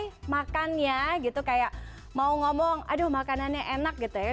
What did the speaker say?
fair kita bisa ambil makanan quirky yo gitu kayak mau ngomong aduh makanannya enak gitu ya